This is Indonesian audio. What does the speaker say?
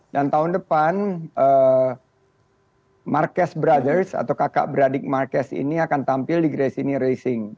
dan tahun depan marques brothers atau kakak beradik marques ini akan tampil di gresini racing